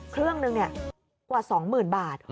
เครื่องหนึ่งกว่า๒๐๐๐บาท